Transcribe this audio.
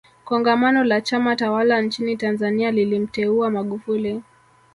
kongamano la chama tawala nchini tanzania lilimteua magufuli